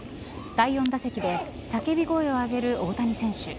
第４打席で叫び声をあげる大谷選手。